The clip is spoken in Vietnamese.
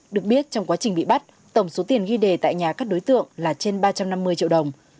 được biết trong quá trình bị bắt tổng số tiền ghi đề tại nhà các đối tượng là trên ba trăm năm mươi triệu đồng